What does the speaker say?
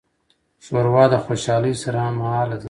ښوروا د خوشالۍ سره هممهاله ده.